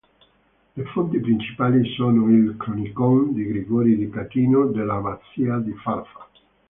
Le fonti principali sono il "Chronicon" di Gregorio di Catino dell'abbazia di Farfa.